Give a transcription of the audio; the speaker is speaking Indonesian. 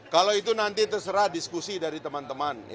kalau itu nanti terserah diskusi dari teman teman